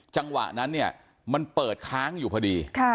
จังหวะนั้นเนี่ยมันเปิดค้างอยู่พอดี